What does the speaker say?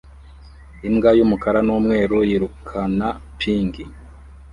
Imbwa y'umukara n'umweru yirukana ping